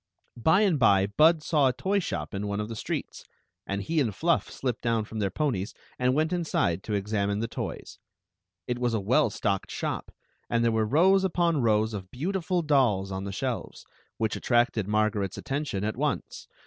By and by Bud saw a toy shop in one of Uic street Queen Zixi of Ix ; or, the and he and Fluff slipped down from their ponies and went inside to examine the toys. It was a well stocked shop, and there were rows upon rows of beautiful dolls on the shelves, which attracted Mar garet's attention at once.